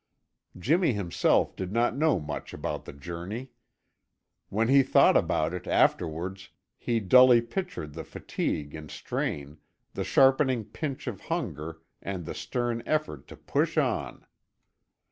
Jimmy himself did not know much about the journey. When he thought about it afterwards, he dully pictured the fatigue and strain, the sharpening pinch of hunger and the stern effort to push on.